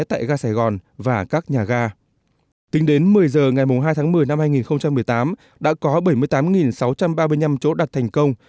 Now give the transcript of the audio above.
tại gia sài gòn và các nhà ga tính đến một mươi h ngày hai một mươi hai nghìn một mươi tám đã có bảy mươi tám sáu trăm ba mươi năm chỗ đặt thành công